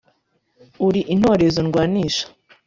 Uri intorezo ndwanisha